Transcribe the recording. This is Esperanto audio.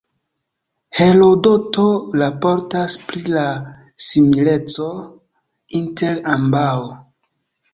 Herodoto raportas pri la simileco inter ambaŭ.